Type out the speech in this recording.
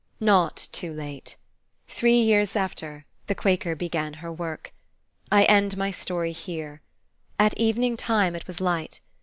Not too late. Three years after, the Quaker began her work. I end my story here. At evening time it was light.